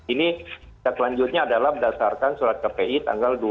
ini tindak lanjutnya adalah berdasarkan surat kpi tanggal dua puluh